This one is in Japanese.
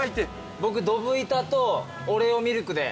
僕ドブ板とオレオミルクで。